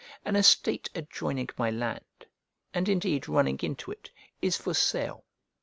An estate adjoining my land, and indeed running into it, is for sale.